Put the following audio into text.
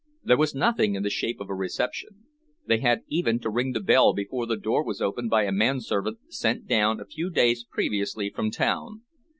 There was nothing in the shape of a reception. They had even to ring the bell before the door was opened by a manservant sent down a few days previously from town.